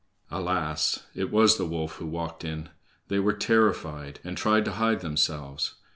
Alas! it was the wolf who walked in. They were terrified, and tried to hide themselves.